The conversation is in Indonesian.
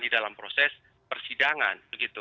di dalam proses persidangan